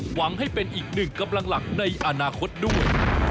หวังให้เป็นอีกหนึ่งกำลังหลักในอนาคตด้วย